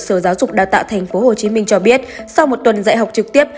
sở giáo dục đào tạo tp hcm cho biết sau một tuần dạy học trực tiếp